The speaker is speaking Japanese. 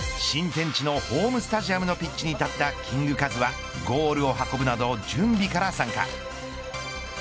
新天地のホームスタジアムのピッチに立ったキングカズはゴールを運ぶなど準備から参加。